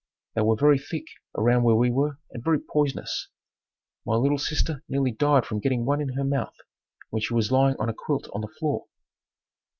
They were very thick around where we were and very poisonous. My little sister nearly died from getting one in her mouth when she was lying on a quilt on the floor.